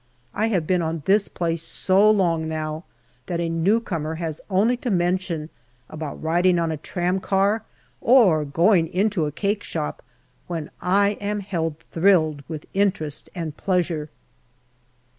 I have been on this place so long now, that a new comer has only to mention about riding on a tramcar or going into a cakeshop, when I am held thrilled with interest and pleasure.